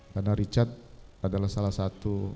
karena richard adalah salah satu